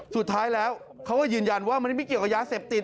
สุดท้ายแล้วเขาก็ยืนยันว่ามันไม่เกี่ยวกับยาเสพติด